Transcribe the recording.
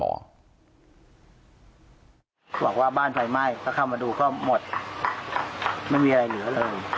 บอกว่าบ้านไฟไหม้ถ้าเข้ามาดูก็หมดไม่มีอะไรเหลือเลย